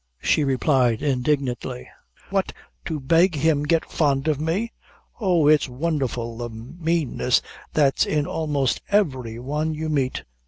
she replied indignantly; "what! to beg him get fond o' me! Oh, its wondherful the maneness that's in a'most every one you meet.